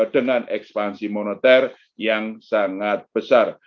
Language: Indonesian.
dengan ekspansi moneter yang sangat besar